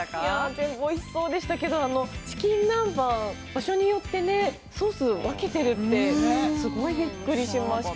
◆全部おいしそうでしたけど、チキン南蛮、場所によってね、ソース、分けてるってすごいびっくりしました。